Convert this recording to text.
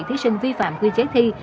thí sinh vi phạm quy chế thi